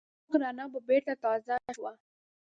د څراغ رڼا به بېرته تازه شوه.